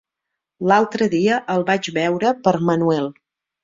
L'altre dia el vaig veure per Manuel.